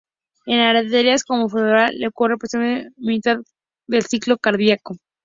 En arterias como la femoral ocurre aproximadamente hacia la mitad del ciclo cardíaco.